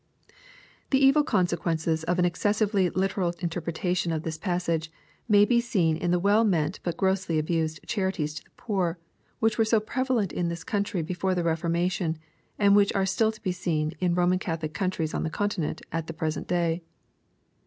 The evil consequences of an excessively literal interpretation of this passage, may be seen in the well meant but grossly abused charities to the poor, which were so prevalent in this countiy before the Reforaiation, and which are still to be seen in Roman Catholic countries on the Continent at the present day.